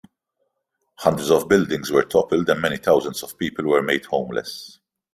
Hundreds of buildings were toppled and many thousands of people were made homeless.